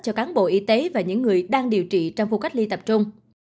cho cán bộ y tế và những người đang điều trị trong khu cách ly tập trung